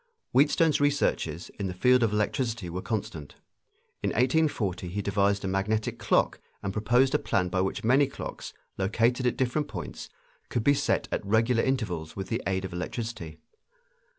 Wheatstone's researches in the field of electricity were constant. In 1840 he devised a magnetic clock and proposed a plan by which many clocks, located at different points, could be set at regular intervals with the aid of electricity.